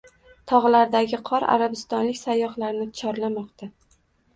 Tog‘lardagi qor arabistonlik sayyohlarni chorlamoqda